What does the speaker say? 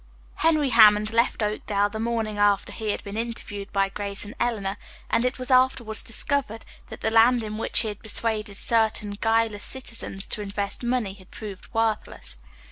Henry Hammond had left Oakdale the morning after he had been interviewed by Grace and Eleanor, and it was afterwards discovered that the land in which he had persuaded certain guileless citizens to invest money had proved worthless.